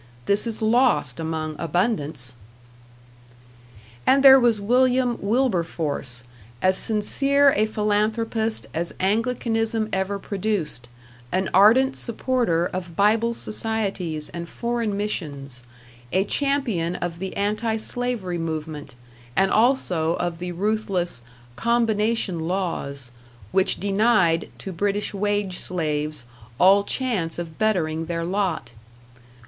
This is lost among abundance. And there was William Wilberforce, as sincere a philanthropist as Anglicanism ever produced, an ardent supporter of Bible societies and foreign missions, a champion of the anti slavery movement, and also of the ruthless "Combination Laws," which denied to British wage slaves all chance of bettering their lot.